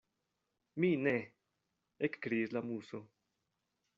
“Mi ne!” ekkriis la Muso.